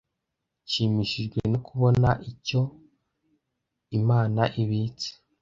Nshimishijwe no kubona icyo Imana ibitse.